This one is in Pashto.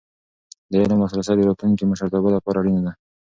د علم لاسرسی د راتلونکي مشرتابه لپاره اړینه ده.